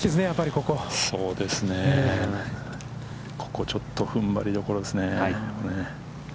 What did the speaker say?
ここちょっと踏ん張りどころですね。